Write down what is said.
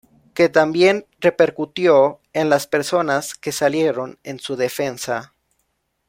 que también repercutió en las personas que salieron en su defensa